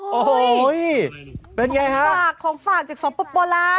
โอ้โฮเฮ้ยเป็นไงฮะของฝากเด็กสองโปรโปรแล้ว